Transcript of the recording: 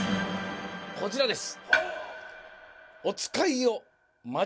こちらです。